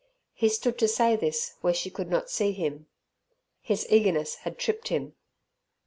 He stood to say this where she could not see him. His eagerness had tripped him.